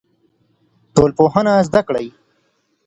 ټولنپوهنه زده کړئ.